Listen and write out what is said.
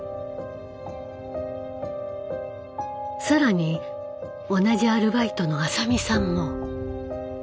更に同じアルバイトの麻美さんも。